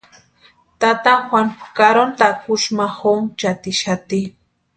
Tata Juan karoni takusï ma jonchatixati.